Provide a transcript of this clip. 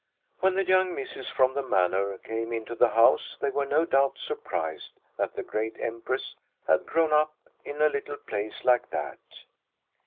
When the young misses from the Manor came into the house they were no doubt surprised that the great Empress had grown up in a little place like that.